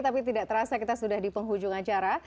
tapi tidak terasa kita sudah di penghujung acara